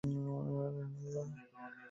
এখন পাওয়া যাবে না, পরের চালানে আসবে।